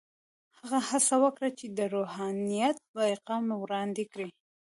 هغه هڅه وکړه چې د روحانیت پیغام وړاندې کړي.